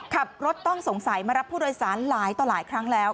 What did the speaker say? ขับรถต้องสงสัยมารับผู้โดยสารหลายต่อหลายครั้งแล้ว